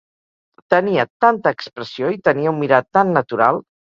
Tenia tanta expressió i tenia un mirar tant natural